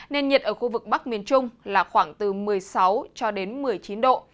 nên nhiệt ở khu vực bắc miền trung là khoảng từ một mươi sáu cho đến một mươi chín độ